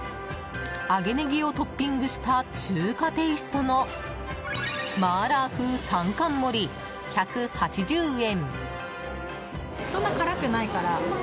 揚げネギをトッピングした中華テイストのマーラー風３貫盛り、１８０円。